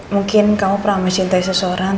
mungkin kamu pernah mencintai seseorang